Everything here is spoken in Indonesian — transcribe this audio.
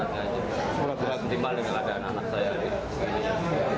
timbal dengan adanya anak saya